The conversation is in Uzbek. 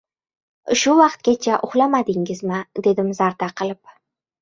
— Shu vaqtgacha uxlamadingizmi! — dedim zarda qilib.